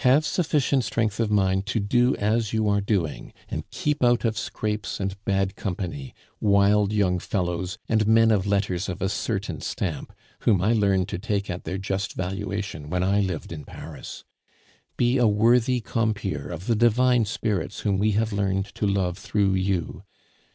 Have sufficient strength of mind to do as you are doing, and keep out of scrapes and bad company, wild young fellows and men of letters of a certain stamp, whom I learned to take at their just valuation when I lived in Paris. Be a worthy compeer of the divine spirits whom we have learned to love through you.